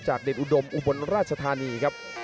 เด็ดอุดมอุบลราชธานีครับ